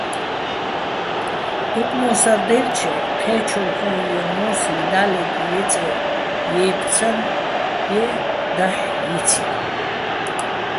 დოკმო́სადაჲლჩე, ჴე́ჩოვ ჰოჼ ჲიენო̆ მო́სლი დალეგ ჲეწეე ჲეფცანი̆, ჲე დაჰ̦ ჲიცჲაჼ.